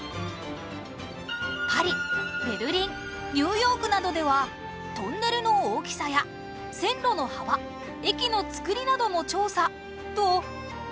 パリベルリンニューヨークなどではトンネルの大きさや線路の幅駅のつくりなども調査と